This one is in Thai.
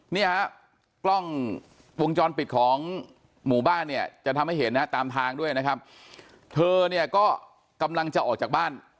เนี่ยฮะกล้องวงจรปิดของหมู่บ้านเนี่ยจะทำให้เห็นนะฮะตามทางด้วยนะครับเธอเนี่ยก็กำลังจะออกจากบ้าน